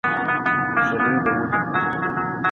د ډیجیټل فایلونو په پرتله کاغذ ډیر د باور وړ دی.